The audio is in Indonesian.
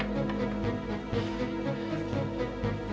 minum ya tapi